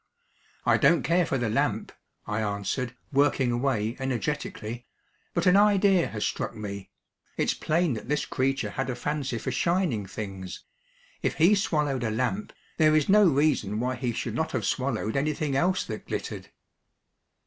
"I don't care for the lamp," I answered, working away energetically, "but an idea has struck me. It's plain that this creature had a fancy for shining things. If he swallowed a lamp, there is no reason why he should not have swallowed anything else that glittered."